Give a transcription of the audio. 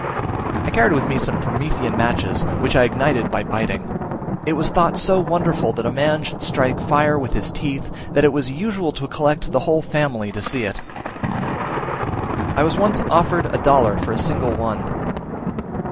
I carried with me some promethean matches, which I ignited by biting; it was thought so wonderful that a man should strike fire with his teeth, that it was usual to collect the whole family to see it: I was once offered a dollar for a single one.